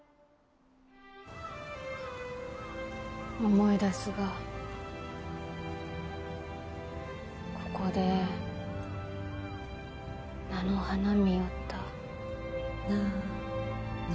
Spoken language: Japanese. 思い出すがここで菜の花見よった「なの」